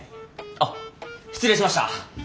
あっ失礼しました。